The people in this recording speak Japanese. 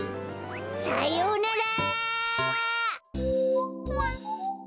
さようなら！